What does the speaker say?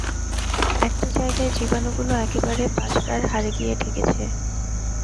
একটা জায়গায় জীবাণুগুলো একেবারে পাজরার হাড়ে গিয়ে ঠেকেছে।